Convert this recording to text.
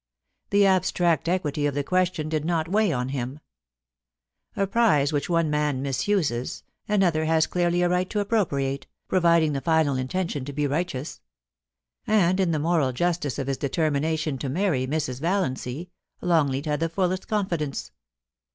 The abstract equity of the question did not weigh with him. A prize which one man misuses, another has clearly a right to appropriate, providing the final intention be righteous ; and in the moral justice of his determination to marry Mrs. Valiancy, Ix)ngleat had the fullest confidence.